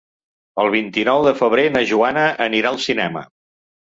El vint-i-nou de febrer na Joana anirà al cinema.